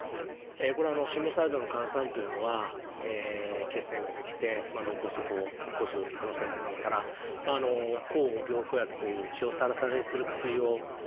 これは心房細動の患者さんというのは血栓が出来て脳梗塞を起こす可能性がありますから抗凝固薬という血をサラサラにする薬をのむ必要があります。